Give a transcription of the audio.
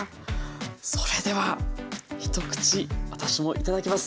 それでは一口私も頂きます。